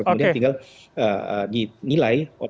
kemudian tinggal dinilai